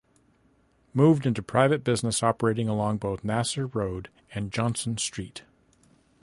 Moved into private business operating along both Nasser Road and Johnson Street.